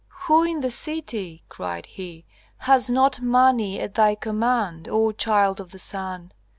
"Who in the city," cried he, "has not money at thy command, O child of the sun?